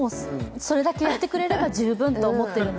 それだけやってくれれば十分と思ってます。